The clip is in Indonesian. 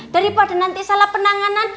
daripada nanti salah penanganan